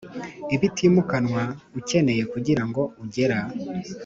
ibitimukanwa ukeneye kugirango ugera